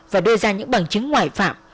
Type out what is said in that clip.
và đưa ra những bằng chứng ngoại phạm